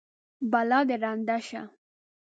بلا دې ړنده شه!